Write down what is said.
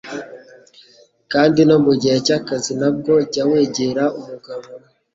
kandi no mu gihe cy'akazi nabwo jya wegera umugabo